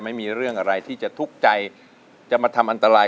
ไม่มีเรื่องอะไรที่จะทุกข์ใจจะมาทำอันตราย